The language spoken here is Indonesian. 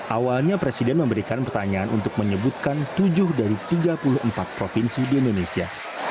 awalnya presiden memberikan pertanyaan untuk menyebutkan tujuh dari tiga puluh empat provinsi di indonesia